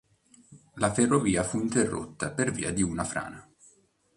La ferrovia fu interrotta per via di una frana.